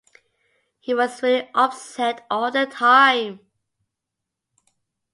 He was really upset all the time.